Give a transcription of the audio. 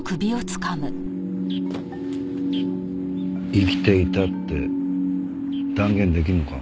生きていたって断言出来るのか？